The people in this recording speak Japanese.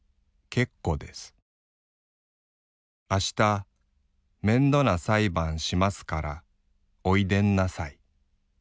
あしためんどなさいばんしますからおいでんなさい。